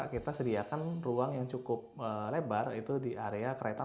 kita sediakan ruang yang cukup lebar itu di area kereta